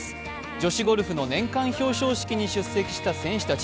女子ゴルフの年間表彰式に出席した選手たち。